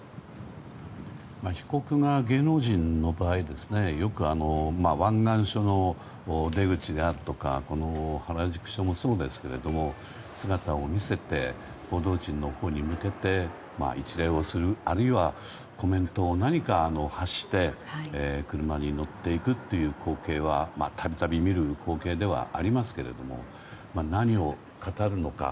被告が芸能人の場合よく湾岸署の出口であるとか原宿署もそうですけれども姿を見せて報道陣のほうに向けて一礼をするあるいはコメントを何か発して車に乗っていくという光景は度々見る光景ではありますが何を語るのか。